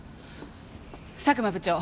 佐久間部長。